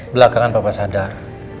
belakangan papa sadar